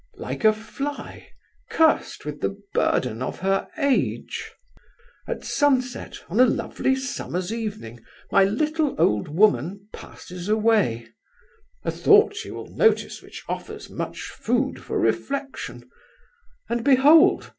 like a fly, cursed with the burden of her age. At last, God calls her to Himself. At sunset, on a lovely summer's evening, my little old woman passes away—a thought, you will notice, which offers much food for reflection—and behold!